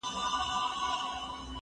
زه به اوږده موده مېوې وچولي وم؟!